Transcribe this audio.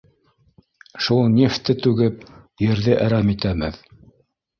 Шул нефтте түгеп, ерҙе әрәм итәбеҙ